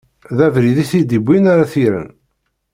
D abrid i t-id-iwwin ara t-irren.